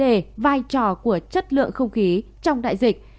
vấn đề vai trò của chất lượng không khí trong đại dịch